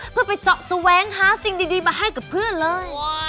เพื่อไปเสาะแสวงหาสิ่งดีมาให้กับเพื่อนเลย